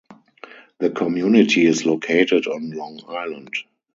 The community is located on Long Island.